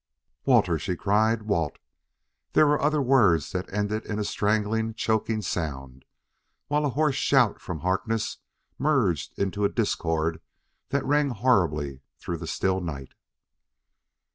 "Walter!" she cried! "Walt!" There were other words that ended in a strangling, choking sound, while a hoarse shout from Harkness merged into a discord that rang horribly through the still night.